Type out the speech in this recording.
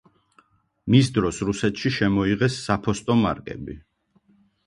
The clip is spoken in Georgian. მის დროს რუსეთში შემოიღეს საფოსტო მარკები.